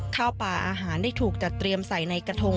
ข้าวป่าอาหารได้ถูกจัดเตรียมใส่ในกระทง